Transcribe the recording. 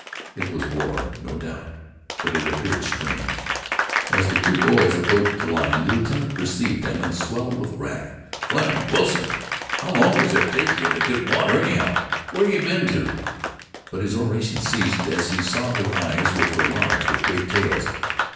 It was war, no doubt, but it appeared strange. As the two boys approached the line, the lieutenant perceived them and swelled with wrath. "Fleming Wilson how long does it take yeh to git water, anyhow where yeh been to." But his oration ceased as he saw their eyes, which were large with great tales.